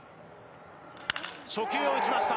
初球を打ちました。